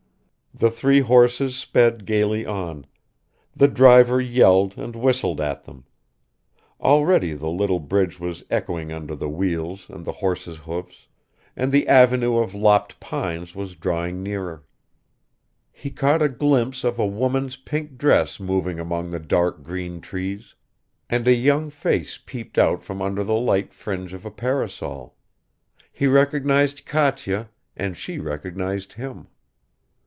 The three horses sped gaily on; the driver yelled and whistled at them. Already the little bridge was echoing under the wheels and the horses' hoofs, and the avenue of lopped pines was drawing nearer ... he caught a glimpse of a woman's pink dress moving among the dark green trees, and a young face peeped out from under the light fringe of a parasol ... he recognized Katya, and she recognized him.